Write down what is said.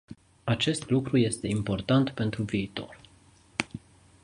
Acest lucru este important pentru viitor.